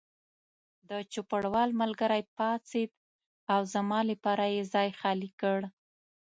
د چوپړوال ملګری پاڅېد او زما لپاره یې ځای خالي کړ.